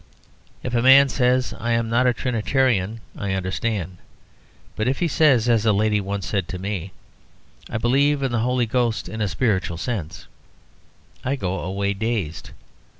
If a man says, "I am not a Trinitarian," I understand. But if he says (as a lady once said to me), "I believe in the Holy Ghost in a spiritual sense," I go away dazed.